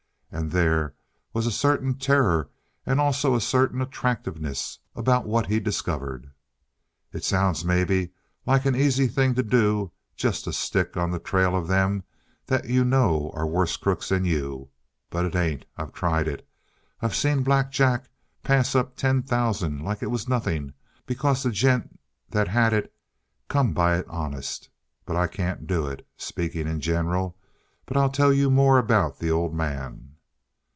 And there was a certain terror and also a certain attractiveness about what he discovered. "It sounds, maybe, like an easy thing to do, to just stick on the trail of them that you know are worse crooks than you. But it ain't. I've tried it. I've seen Black Jack pass up ten thousand like it was nothing, because the gent that had it come by it honest. But I can't do it, speaking in general. But I'll tell you more about the old man."